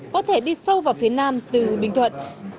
có thể đi sâu vào phía nam từ bình thuận